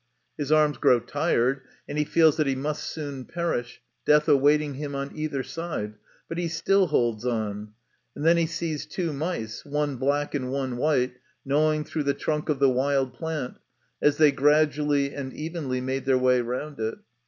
His arms grow tired, and he feels that he must soon perish, death awaiting him on either side, but he still holds on ; and then he sees two mice, one black and one white, gnawing through the trunk of the wild plant, as they gradually and evenly make their way round it.